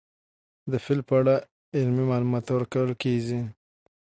د فیل په اړه علمي معلومات ورکول کېږي.